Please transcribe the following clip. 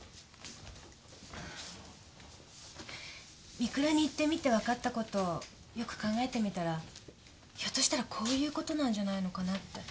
御倉に行ってみて分かったことをよく考えてみたらひょっとしたらこういうことなんじゃないのかなって。